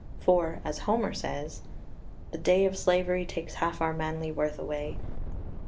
For, as Homer says 5 "'The day of slavery Takes half our manly worth away.